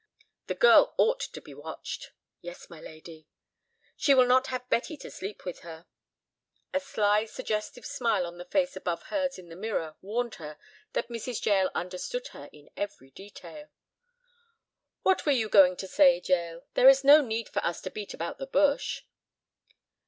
"The girl ought to be watched." "Yes, my lady." "She will not have Betty to sleep with her." A sly suggestive smile on the face above hers in the mirror warned her that Mrs. Jael understood her in every detail. "What were you going to say, Jael? There is no need for us to beat about the bush."